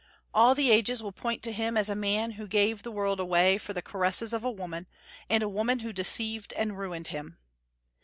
All the ages will point to him as a man who gave the world away for the caresses of a woman, and a woman who deceived and ruined him.